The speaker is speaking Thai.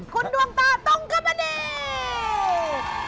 คุณดวงตาตรงกระบะนิด